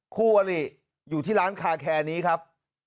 คู่อลิอยู่ที่ร้านคาแคร์นี้ครับ